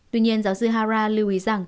tuy nhiên giáo sư hara liu